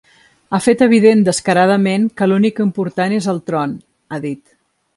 Ha fet evident descaradament que l’únic important és el tron, ha dit.